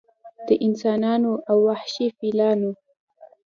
د انسانانو او وحشي فیلانو